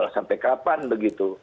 sampai kapan begitu